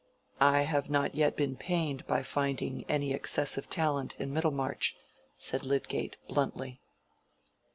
"I have not yet been pained by finding any excessive talent in Middlemarch," said Lydgate, bluntly.